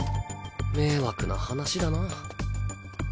迷惑な話だな。